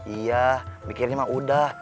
iya mikirnya emang udah